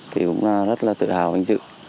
thì cũng rất là tự hào và hình dự